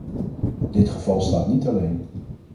Dit geval staat niet alleen.